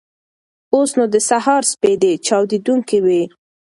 اوس نو د سهار سپېدې چاودېدونکې وې.